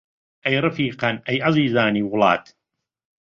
ئەی ڕەفیقان، ئەی عەزیزانی وڵات!